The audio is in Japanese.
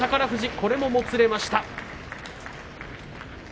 これも、もつれました。